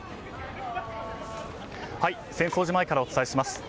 浅草寺前からお伝えします。